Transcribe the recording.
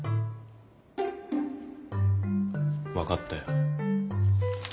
分かったよ。